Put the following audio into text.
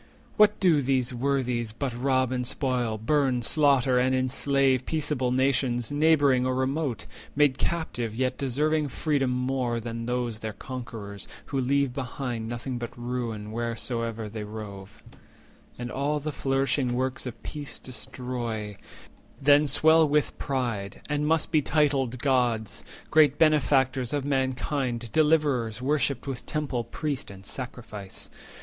What do these worthies But rob and spoil, burn, slaughter, and enslave Peaceable nations, neighbouring or remote, Made captive, yet deserving freedom more Than those their conquerors, who leave behind Nothing but ruin wheresoe'er they rove, And all the flourishing works of peace destroy; 80 Then swell with pride, and must be titled Gods, Great benefactors of mankind, Deliverers, Worshipped with temple, priest, and sacrifice?